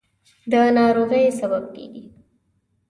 د ناروغۍ سبب کېږي.